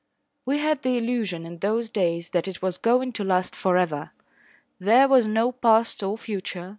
We had the illusion in those days that it was going to last for ever. There was no past or future.